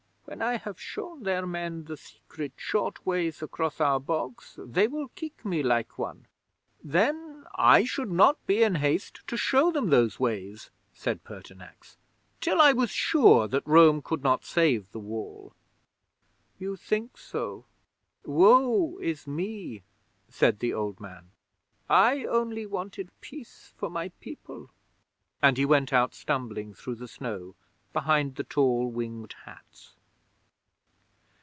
When I have shown their men the secret short ways across our bogs, they will kick me like one." '"Then I should not be in haste to show them those ways," said Pertinax, "till I was sure that Rome could not save the Wall." '"You think so? Woe is me!" said the old man. "I only wanted peace for my people," and he went out stumbling through the snow behind the tall Winged Hats.